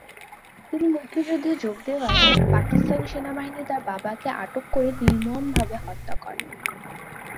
তিনি মুক্তিযুদ্ধে যোগ দেওয়ায় পাকিস্তান সেনাবাহিনী তার বাবাকে আটক করে নির্মমভাবে হত্যা করে।